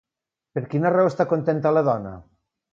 Per quina raó està contenta la dona?